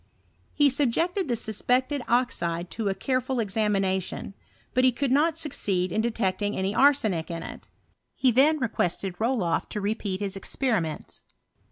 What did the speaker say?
He subjected the suspected oxide to a careful examination ; but he could not succeed in detecting any arsenic in it. He then requested RolofT to repeat his experiments.